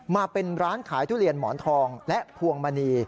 มาเป็นร้านขายทุเรียนหมอนทองและพวงมณี